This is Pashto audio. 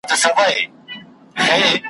له لومړۍ ورځي په غم د ځان دی `